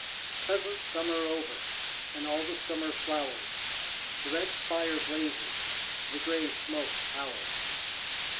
Pleasant summer over And all the summer flowers, The red fire blazes, The grey smoke towers.